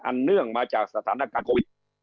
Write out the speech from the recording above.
เนื่องมาจากสถานการณ์โควิด